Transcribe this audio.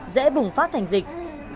dễ bùng phát thành dịch